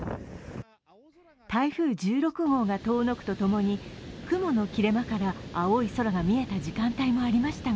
台風１６号が遠のくとともに雲の切れ間から青い空が見えた時間帯もありましたが